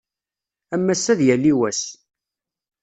Am ass-a ad d-yali wass.